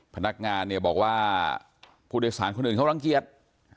พนักงานเนี่ยบอกว่าผู้โดยสารคนอื่นเขารังเกียจ